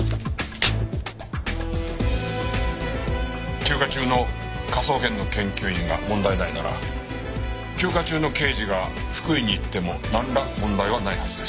休暇中の科捜研の研究員が問題ないなら休暇中の刑事が福井に行ってもなんら問題はないはずです。